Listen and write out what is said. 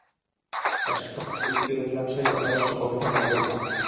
একসময় আমি ঐগুলির অধিকাংশই অনাবশ্যক ও বৃথা মনে করিতাম।